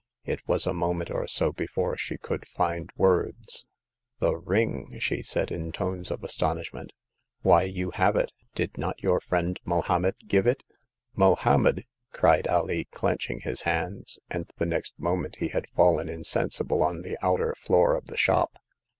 It was a moment or so be fore she could find words. The ring !" she said, in tones of astonish ment, Why, you have it ! Did not your friend Mohommed give it '*" Mohommed !" cried Alee, clenching his hands ; and the next moment he had fallen in sensible on the outer floor of the shop.